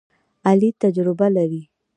علي تجربه لري.